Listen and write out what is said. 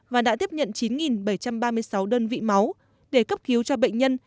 và đã tiếp nhận chín bảy trăm ba mươi sáu đơn vị máu để cấp cứu cho bệnh nhân